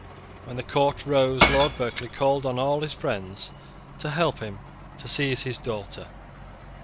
When the court rose Lord Berkeley called on all his friends to help him to seize his daughter.